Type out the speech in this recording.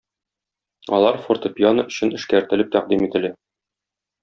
Алар фортепиано өчен эшкәртелеп тәкъдим ителә.